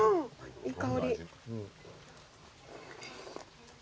いい香り。